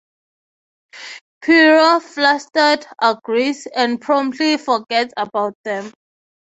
Piro, flustered, agrees, and promptly forgets about them.